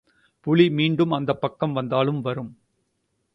புலி மீண்டும் அந்தப்பக்கம் வந்தாலும் வரும்.